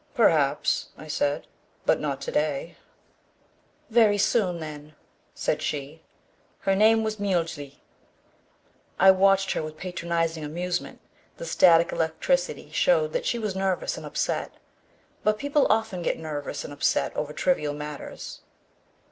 "Perhaps," I said, "but not today." "Very soon, then," said she. Her name was Mjly. I watched her with patronizing amusement. The static electricity showed that she was nervous and upset, but people often get nervous and upset over trivial matters.